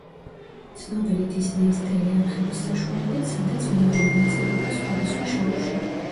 ცნობილი დისნეის ტელეარხების საშუალებით, სადაც მიიღო მონაწილეობა სხვადასხვა შოუში.